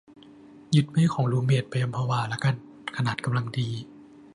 ยึดเป้ของรูมเมทไปอัมพวาละกัน ขนาดกำลังดี